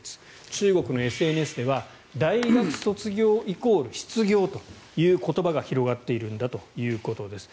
中国のＳＮＳでは大学卒業イコール失業という言葉が広がっているんだということです。